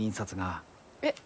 えっ？